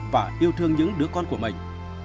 và yêu thương những đứa con của mình